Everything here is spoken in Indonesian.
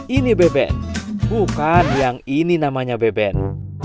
ini beben bukan yang ini namanya beben